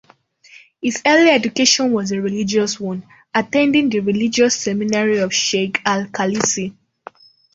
His early education was a religious one, attending the religious seminary of Sheikh Al-Khalisi.